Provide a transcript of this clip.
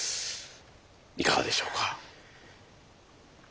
いかがでしょうか？